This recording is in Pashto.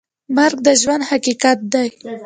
مرګ د ژوند حقیقت دی